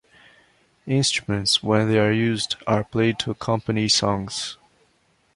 Instruments, when they are used, are played to accompany songs.